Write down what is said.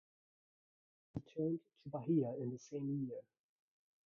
He returned to Bahia in the same year.